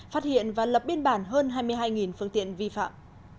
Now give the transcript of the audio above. phát hiện và lập biên bản hơn hai mươi hai phương tiện vi phạm